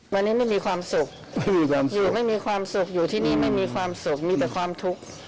วันนี้ไม่มีความสุขอยู่ไม่มีความสุขอยู่ที่นี่ไม่มีความสุขมีแต่ความทุกข์